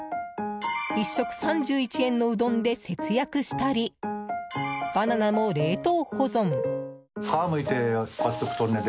１食３１円のうどんで節約したりバナナも冷凍保存。